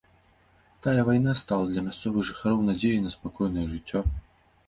Тая вайна стала для мясцовых жыхароў надзеяй на спакойнае жыццё.